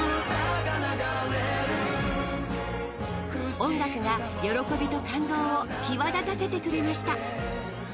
音楽が喜びと感動を際立たせてくれました。